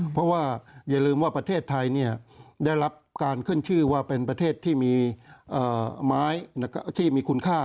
เพราะว่าอย่าลืมว่าประเทศไทยได้รับการขึ้นชื่อว่าเป็นประเทศที่มีไม้ที่มีคุณค่า